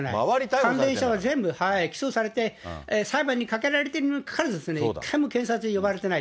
関連者が全部、起訴されて、裁判にかけられてるのにもかかわらず、一回も検察に呼ばれてない。